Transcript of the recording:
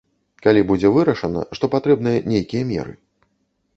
Калі будзе вырашана, што патрэбныя нейкія меры.